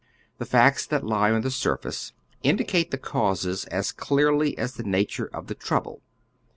The facts that lie on the surface indicate the causes as clearly as the nature of the trouble.